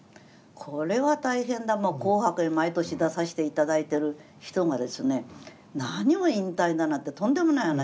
これは大変だ「紅白」に毎年出さしていただいてる人がですね何を引退だなんてとんでもない話。